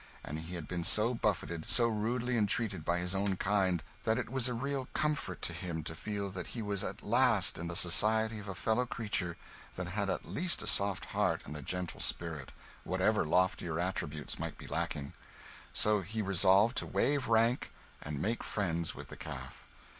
And he had been so buffeted, so rudely entreated by his own kind, that it was a real comfort to him to feel that he was at last in the society of a fellow creature that had at least a soft heart and a gentle spirit, whatever loftier attributes might be lacking. So he resolved to waive rank and make friends with the calf.